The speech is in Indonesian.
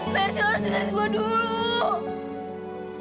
mer sih lu harus dengerin gue dulu